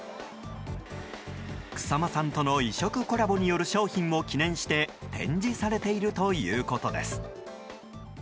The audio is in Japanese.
草間さんとの異色コラボによる商品を記念して展示されているということです。